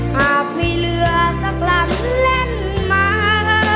หากมีเรือสักลำแล่นมา